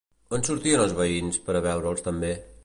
On sortien els veïns per a veure'ls també?